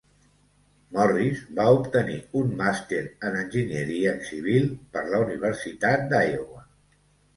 Morris va obtenir un màster en enginyeria civil per la Universitat d'Iowa.